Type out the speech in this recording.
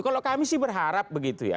kalau kami sih berharap begitu ya